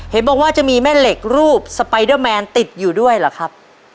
เห็นบอกว่าจะมีแม่เหล็กรูปสไปเดอร์แมนติดอยู่ด้วยเหรอครับ